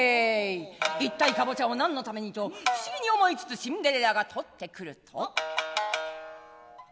いったいカボチャを何のためにと不思議に思いつつシンデレラがとってくると。